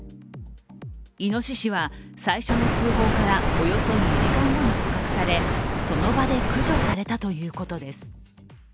いのししは最初の通報からおよそ２時間後に捕獲されその場で駆除されたということです。